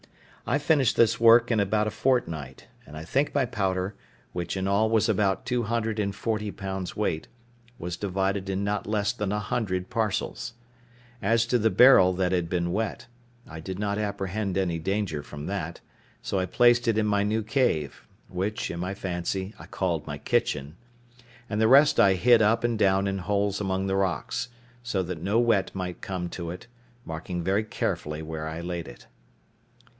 I finished this work in about a fortnight; and I think my powder, which in all was about two hundred and forty pounds weight, was divided in not less than a hundred parcels. As to the barrel that had been wet, I did not apprehend any danger from that; so I placed it in my new cave, which, in my fancy, I called my kitchen; and the rest I hid up and down in holes among the rocks, so that no wet might come to it, marking very carefully where I laid it.